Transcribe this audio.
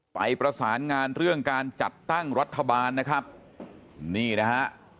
ประสานงานเรื่องการจัดตั้งรัฐบาลนะครับนี่นะฮะ